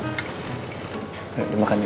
ayo dimakan yuk